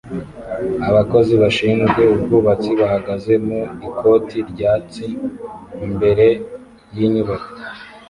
Abakozi bashinzwe ubwubatsi bahagaze mu ikoti ryatsi mbere yinyubako